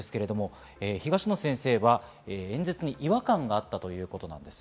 東野先生は演説に違和感があったということです。